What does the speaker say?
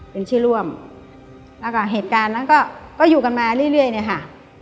แล้วก็เหตุการณ์ก็อยู่กันมาเรื่อยนี่ค่ะ